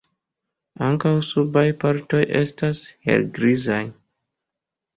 Ankaŭ subaj partoj estas helgrizaj.